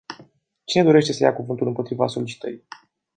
Cine dorește să ia cuvântul împotriva solicitării?